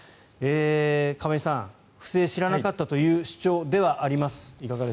亀井さん、不正を知らなかったという主張ではあります。